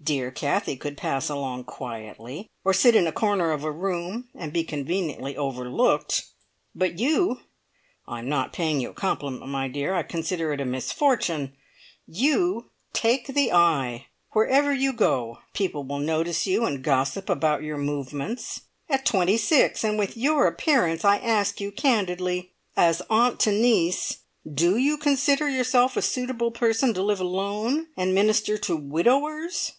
Dear Kathie could pass along quietly, or sit in a corner of a room and be conveniently overlooked, but you I am not paying you a compliment, my dear, I consider it is a misfortune! you take the eye! Wherever you go, people will notice you and gossip about your movements. At twenty six, and with your appearance, I ask you candidly, as aunt to niece do you consider yourself a suitable person to live alone, and minister to widowers?"